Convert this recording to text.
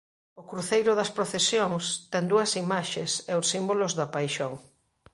O cruceiro das Procesións ten dúas imaxes e os símbolos da paixón.